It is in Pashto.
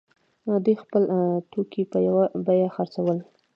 دوی خپل توکي په یوه بیه خرڅول.